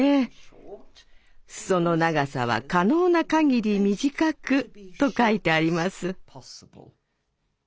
「裾の長さは可能な限り短く」と書いてあります。